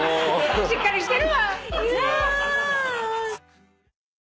しっかりしてるわ。